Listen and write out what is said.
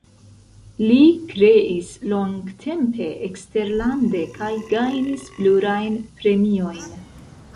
Li kreis longtempe eksterlande kaj gajnis plurajn premiojn.